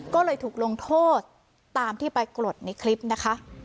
ก็เลยถูกลงโทษตามที่ไปกรดในคลิปนะคะ